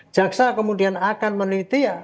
jaksa kemudian akan meneliti ya